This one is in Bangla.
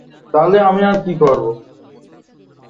আমাদের সবার মুখে অকুণ্ঠ প্রশংসা শুনে আপার চোখে পানি চলে এসেছিল।